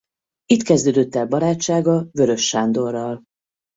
Itt kezdődött el barátsága Weöres Sándorral.